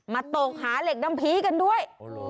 ตกหาเหล็กน้ำพีกันด้วย